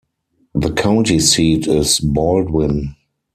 The county seat is Baldwin.